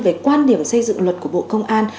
về quan điểm xây dựng luật của bộ công an